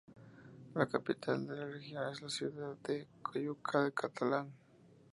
La capital de la región es la ciudad de Coyuca de Catalán